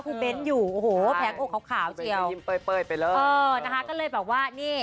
คุณเบนท์อยู่โอ้โหแผงอกขาวเจียวไปเลิกเออนะคะก็เลยบอกว่านี่